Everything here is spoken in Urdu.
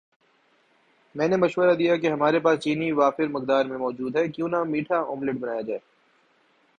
میں نے مشورہ دیا کہ ہماری پاس چینی وافر مقدار میں موجود ہے کیوں نہ میٹھا آملیٹ بنایا جائے